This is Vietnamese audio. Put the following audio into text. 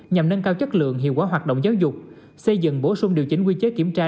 nhằm nâng cao chất lượng hiệu quả hoạt động giáo dục xây dựng bổ sung điều chỉnh quy chế kiểm tra